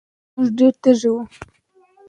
مونږ ډېر تږي وو